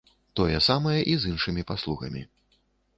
Тое самае і з іншымі паслугамі.